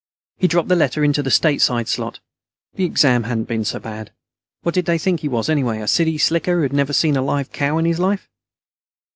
He dropped the letter into the "STATESIDE" slot. The exam hadn't been so bad. What did they think he was, anyway? A city slicker who had never seen a live cow in his life?